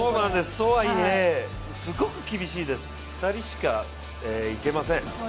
とはいえ、すごく厳しいです２人しか行けません。